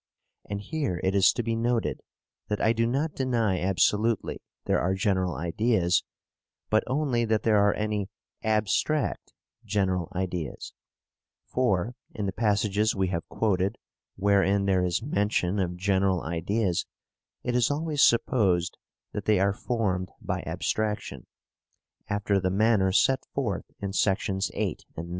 And here it is to be noted that I do not deny absolutely there are general ideas, but only that there are any ABSTRACT general ideas; for, in the passages we have quoted wherein there is mention of general ideas, it is always supposed that they are formed by abstraction, after the manner set forth in sections 8 and 9.